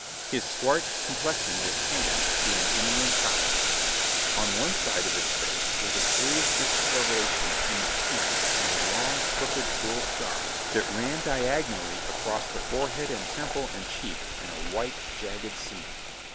His swart complexion was tanned to an Indian copper. On one side of his face was a curious discoloration in the skin and a long, crooked, cruel scar that ran diagonally across forehead and temple and cheek in a white, jagged seam.